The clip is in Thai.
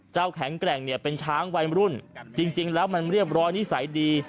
แข็งแกร่งเนี่ยเป็นช้างวัยมรุ่นจริงแล้วมันเรียบร้อยนิสัยดี